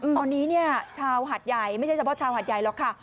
ตอนนี้เนี่ยชาวหาดใหญ่ไม่ใช่เฉพาะชาวหัดใหญ่หรอกค่ะ